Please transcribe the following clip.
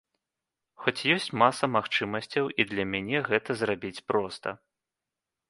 Хоць ёсць маса магчымасцяў і для мяне гэта зрабіць проста.